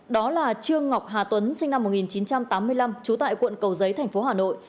đó là trương ngọc hà tuấn sinh năm một nghìn chín trăm tám mươi năm trú tại quận cầu giấy thành phố hà nội